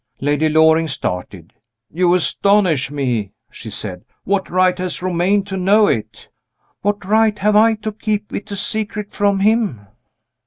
Lady Loring started. "You astonish me," she said. "What right has Romayne to know it?" "What right have I to keep it a secret from him?"